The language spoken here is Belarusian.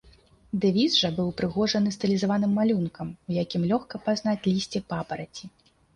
Дэвіз жа быў упрыгожаны стылізаваным малюнкам, у якім лёгка пазнаць лісце папараці.